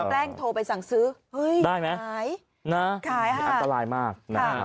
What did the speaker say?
แปลงโทรไปสั่งซื้อเฮ้ยขายอันตรายมาก